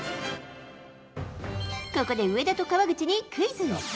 ここで上田と川口にクイズ。